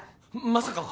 まさか。